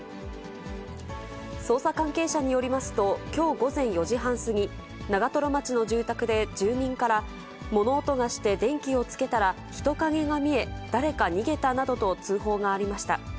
捜査関係者によりますと、きょう午前４時半過ぎ、長瀞町の住宅で、住人から、物音がして電気をつけたら人影が見え、誰か逃げたなどと通報がありました。